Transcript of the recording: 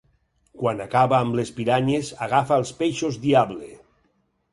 Quan acaba amb les piranyes agafa els peixos diable.